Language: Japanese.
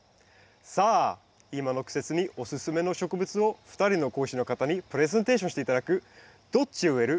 さあ今の季節におすすめの植物を２人の講師の方にプレゼンテーションして頂く「どっち植える？」